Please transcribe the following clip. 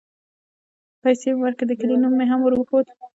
پيسې مې وركړې د كلي نوم مې هم وروښود.